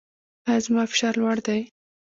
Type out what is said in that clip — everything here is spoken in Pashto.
ایا زما فشار لوړ دی؟